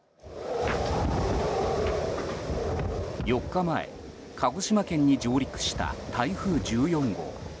４日前、鹿児島県に上陸した台風１４号。